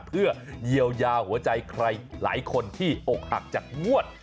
เพื่อเยียวยาหัวใจใครหลายคนที่อกหักจากงวด